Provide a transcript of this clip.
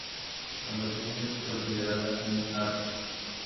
La montaña es considera un apu.